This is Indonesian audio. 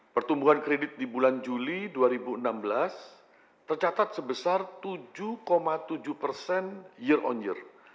pertumbuhan kredit di bulan juli dua ribu enam belas tercatat sebesar tujuh tujuh persen year on year